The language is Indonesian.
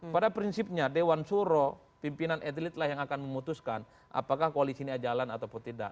pada prinsipnya dewan suro pimpinan etelit lah yang akan memutuskan apakah koalisi ini jalan ataupun tidak